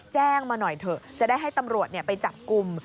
แจ้งมาหน่อยเถอะจะได้ให้ตำรวจไปจับกลุ่ม